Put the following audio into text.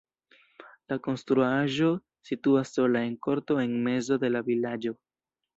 La konstruaĵo situas sola en korto en mezo de la vilaĝo.